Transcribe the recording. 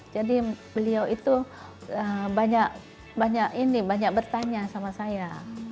jadi beliau itu banyak bertanya sama saya